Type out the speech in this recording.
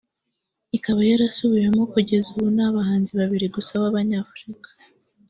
ikaba yarasubiwemo kugeza ubu n’abahanzi babiri gusa babanyafurika